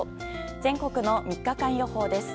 全国の３日間予報です。